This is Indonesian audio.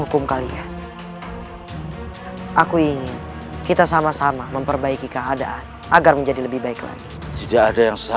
hidup raden kian santang